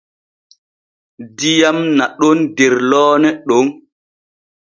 Diyam naɗon der loone ɗon.